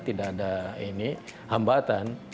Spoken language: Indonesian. tidak ada hambatan